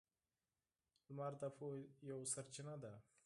• لمر د پوهې یوه سرچینه ده.